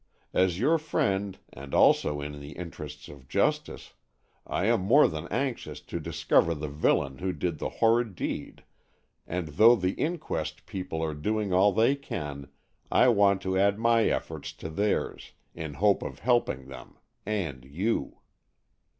As your friend, and also in the interests of justice, I am more than anxious to discover the villain who did the horrid deed, and though the inquest people are doing all they can, I want to add my efforts to theirs, in hope of helping them,—and you."